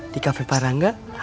di kafe parangga